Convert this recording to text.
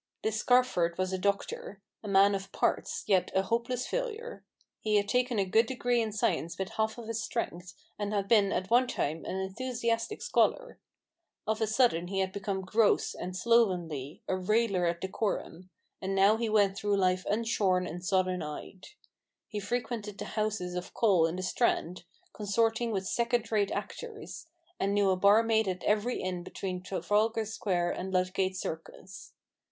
This Scarford was a doctor ; a man of parts, yet a hopeless failure. He had taken a good degree in science with half of his strength, and had been, at one time, an enthusiastic scholar. Of a sudden he had become gross, and slovenly, a railer at decorum ; and now he went through life unshorn and sodden eyed. He frequented the houses of call in the Strand, consorting with second rate actors ; and knew a bar maid at ever} inn between Trafalgar Square and Ludgate Circus.